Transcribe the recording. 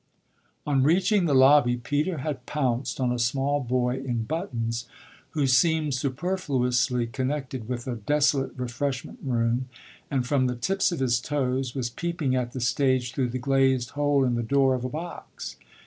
On reaching the lobby Peter had pounced on a small boy in buttons, who seemed superfluously connected with a desolate refreshment room and, from the tips of his toes, was peeping at the stage through the glazed hole in the door of a box.